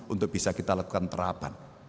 untuk bisa kita lakukan terapan